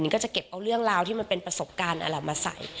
ก็จะเก็บเอาเรื่องราวที่มันเป็นประสบการณ์อะไรมาใส่